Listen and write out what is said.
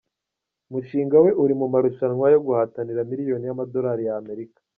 Umushinga we uri mu marushanwa yo guhatanira miliyoni y’Amadorari y’Amerika.